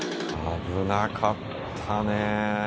危なかったね。